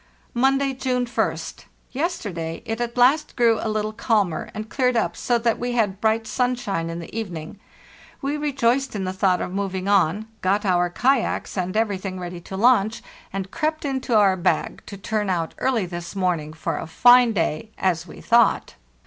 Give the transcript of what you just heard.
"Monday, June 1st. Yesterday it at last grew a little calmer, and cleared up so that we had bright sunshine in the evening. We rejoiced in the thought of moving on, got our kayaks and everything ready to launch, and 500 FARTHEST NORTH crept into our bag, to turn out early this morning for a fine day, as we thought.